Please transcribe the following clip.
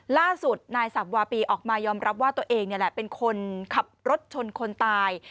ล่าสุดนายสับวาปีออกมายอมรับว่าตัวเองนี่แหละเป็นคนขับรถชนคนตาย